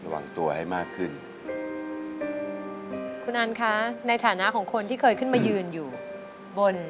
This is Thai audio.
ระวังตัวให้มากขึ้น